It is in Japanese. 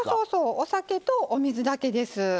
お酒とお水だけです。